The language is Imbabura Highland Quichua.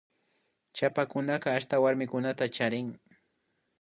Chapakunaka ashta warmikunata charin